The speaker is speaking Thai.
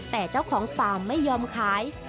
แต่เจ้าของฟาร์มไม่ยอมขาย